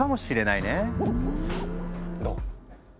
どう？